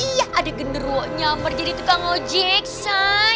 iya ada genderwo nyamper jadi tukang ojek shay